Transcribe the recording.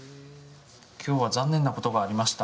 今日は残念なことがありました。